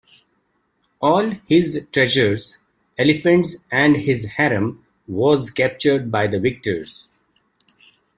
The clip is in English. All his treasures, elephants and his harem was captured by the victors.